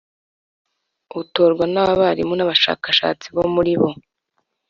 utorwa n abarimu n abashakashatsi bo muri bo